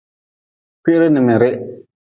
Kwiri n mirih.